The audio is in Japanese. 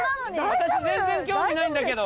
「私全然興味ないんだけど」